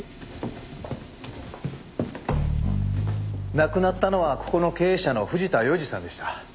亡くなったのはここの経営者の藤田洋二さんでした。